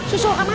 sudah ke sana